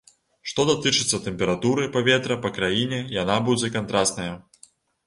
Што датычыцца тэмпературы паветра па краіне, яна будзе кантрасная.